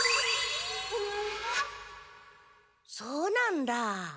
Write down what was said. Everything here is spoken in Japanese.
そうなんだ。